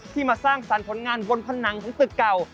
ที่มาสร้างสรรพนิงงานวนผนังของตึกเก่า